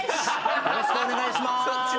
よろしくお願いします。